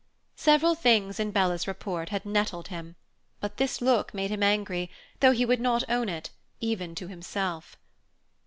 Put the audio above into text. Several things in Bella's report had nettled him, but this look made him angry, though he would not own it, even to himself.